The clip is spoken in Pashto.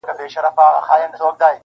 خلک يې يادونه کوي ډېر-